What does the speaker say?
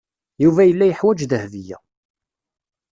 Yuba yella yeḥwaj Dahbiya.